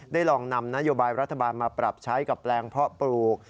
ลองนำนโยบายรัฐบาลมาปรับใช้กับแปลงเพาะปลูก